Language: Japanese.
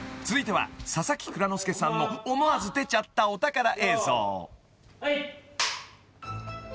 ［続いては佐々木蔵之介さんの思わず出ちゃったお宝映像］